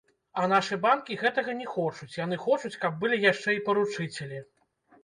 А нашы банкі гэтага не хочуць, яны хочуць, каб былі яшчэ і паручыцелі.